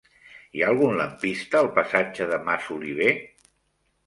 Hi ha algun lampista al passatge de Masoliver?